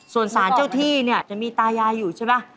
ส่วนสารเจ้าที่เนี่ยจะมีตายายอยู่ใช่ไหม